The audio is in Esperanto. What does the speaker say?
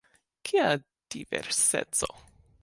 Kia diverseco?